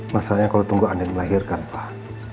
masalahnya kalau tunggu andi melahirkan pak